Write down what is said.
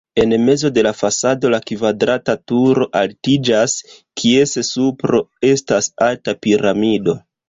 En mezo de la fasado la kvadrata turo altiĝas, kies supro estas alta piramido.